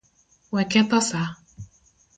Wek ketho saa.